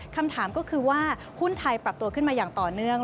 คำถามก็คือว่าหุ้นไทยปรับตัวขึ้นมาอย่างต่อเนื่อง